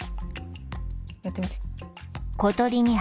やってみて。